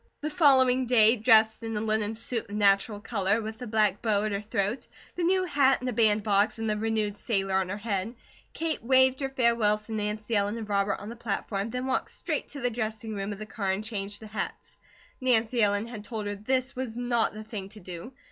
The following day, dressed in a linen suit of natural colour, with the black bow at her throat, the new hat in a bandbox, and the renewed sailor on her head, Kate waved her farewells to Nancy Ellen and Robert on the platform, then walked straight to the dressing room of the car, and changed the hats. Nancy Ellen had told her this was NOT the thing to do.